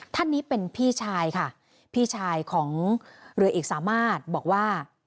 ท่านนี้เป็นพี่ชายค่ะพี่ชายของเรือเอกสามารถบอกว่า